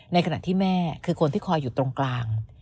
ในขณะที่แม่คือคนที่คอยอยู่ตรงกลาง